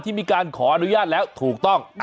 มีการขออนุญาตแล้วถูกต้อง